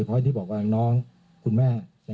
ส่วนบุคคลที่จะถูกดำเนินคดีมีกี่คนและจะมีพี่เต้ด้วยหรือเปล่า